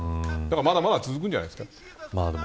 まだまだ続くんじゃないですか。